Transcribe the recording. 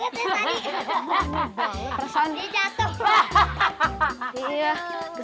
jangan becok banget ya tadi